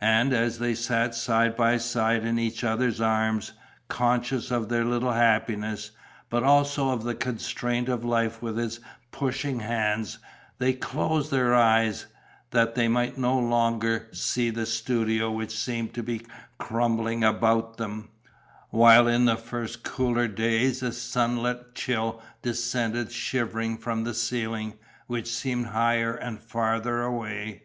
And, as they sat side by side, in each other's arms, conscious of their little happiness, but also of the constraint of life with its pushing hands, they closed their eyes, that they might no longer see the studio which seemed to be crumbling about them, while in the first cooler days a sunless chill descended shivering from the ceiling, which seemed higher and farther away.